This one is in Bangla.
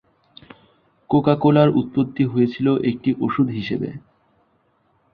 কোকা-কোলার উৎপত্তি হয়েছিলো একটি ওষুধ হিসেবে।